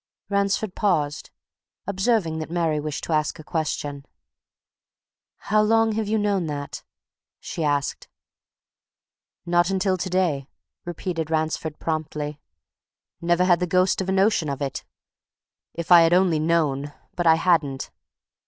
Ransford paused, observing that Mary wished to ask a question. "How long have you known that?" she asked. "Not until today," replied Ransford promptly. "Never had the ghost of a notion of it! If I only had known but, I hadn't!